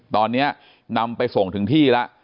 ตอนนี้นำไปส่งถึงที่แล้ว